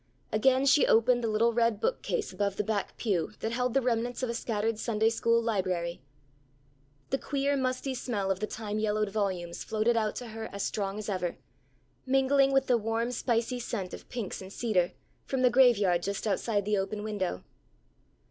Again she opened the little red book case above the back pew, that held the remnants of a scattered Sunday school library. The queer musty smell of the time yellowed volumes floated out to her as strong as ever, mingling with the warm spicy scent of pinks and cedar, from the graveyard just outside the open window.